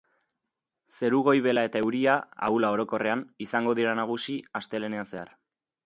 Zeru goibela eta euria, ahula orokorrean, izango dira nagusi astelehenean zehar.